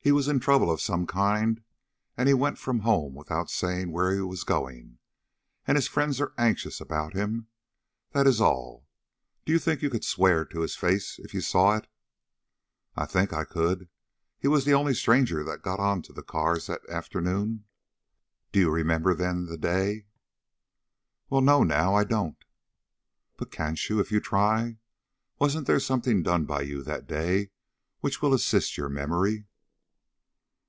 He was in trouble of some kind, and he went from home without saying where he was going; and his friends are anxious about him, that is all. Do you think you could swear to his face if you saw it?" "I think I could. He was the only stranger that got on to the cars that afternoon." "Do you remember, then, the day?" "Well, no, now, I don't." "But can't you, if you try? Wasn't there something done by you that day which will assist your memory?"